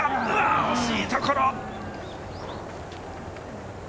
惜しいところ！